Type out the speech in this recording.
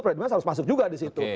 freddy budiman harus masuk juga di situ